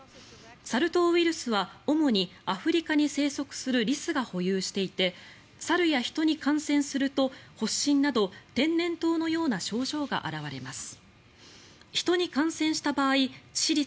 サル痘ウイルスは主にアフリカに生息するリスが保有していて猿や人に感染すると発疹など天然痘のような症状が表れます。